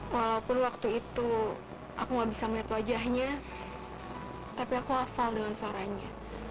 walaupun waktu itu aku gak bisa melihat wajahnya tapi aku hafal dengan suaranya